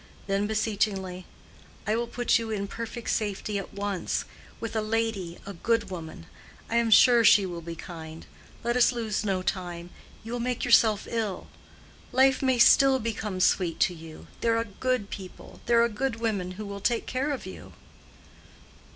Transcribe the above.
Then beseechingly, "I will put you in perfect safety at once; with a lady, a good woman; I am sure she will be kind. Let us lose no time: you will make yourself ill. Life may still become sweet to you. There are good people—there are good women who will take care of you."